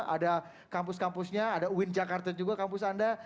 ada kampus kampusnya ada uin jakarta juga kampus anda